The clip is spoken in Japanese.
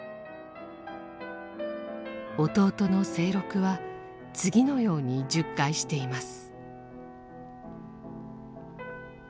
弟の清六は次のように述懐しています。